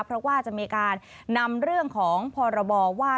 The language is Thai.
เพราะว่าจะมีการนำเรื่องของพรบว่า